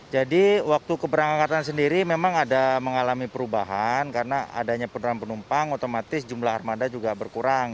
waktu keberangkatan sendiri memang ada mengalami perubahan karena adanya penurunan penumpang otomatis jumlah armada juga berkurang